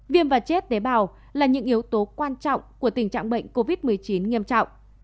viêm và chết tế bào là những yếu tố quan trọng của tình trạng bệnh covid một mươi chín nghiêm trọng